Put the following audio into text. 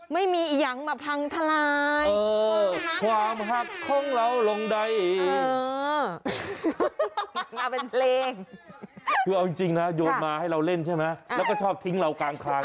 ไม่มีอย่างแบบทางถลาย